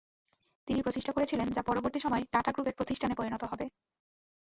তিনি প্রতিষ্ঠা করেছিলেন যা পরবর্তী সময়ে টাটা গ্রুপের প্রতিষ্ঠানে পরিণত হবে।